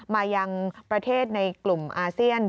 มายังประเทศในกลุ่มอาเซียน